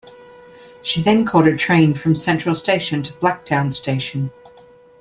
She then caught a train from Central Station to Blacktown Station.